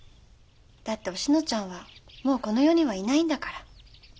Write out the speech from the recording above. だっておしのちゃんはもうこの世にはいないんだから。